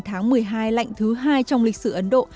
tháng một mươi hai lạnh thứ hai trong lịch sử ấn độ